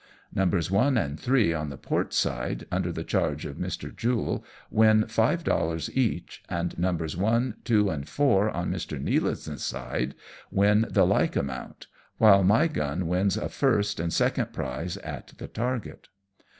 Numbers one and three on the port side, under the charge of Mr. Jule, win five dollars each, and numbers one, two and four on Mr. Ifealance^s side win the like amount, while my gun wins a first and second prize at the target.